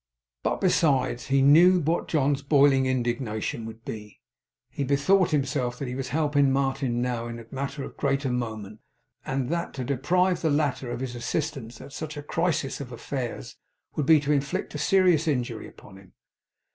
But besides that he knew what John's boiling indignation would be, he bethought himself that he was helping Martin now in a matter of great moment, and that to deprive the latter of his assistance at such a crisis of affairs, would be to inflict a serious injury upon him.